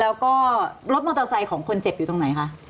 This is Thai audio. แล้วก็รถมอเตอร์ไซค์ของคนเจ็บอยู่ตรงไหนคะ